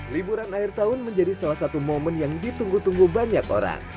liburan akhir tahun menjadi salah satu momen yang ditunggu tunggu banyak orang